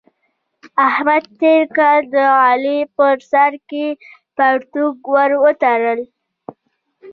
احمد تېر کال د علي په سر کې پرتوګ ور وتاړه.